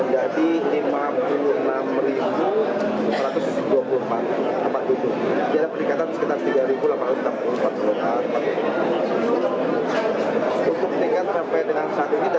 kami sudah menambah dari sejumlah dua dua puluh delapan yang reguler